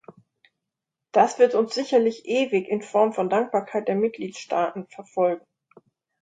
Das wird uns sicherlich ewig in Form von Dankbarkeit der Mitgliedstaaten verfolgen.